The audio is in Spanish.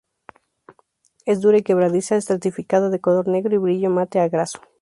Es dura y quebradiza, estratificada, de color negro y brillo mate o graso.